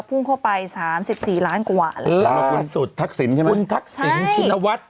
พุ่งเข้าไปสามสิบสี่ล้านกว่าเลยลาคุณสุดทักษิณใช่ไหมคุณทักษิณชินวัฒน์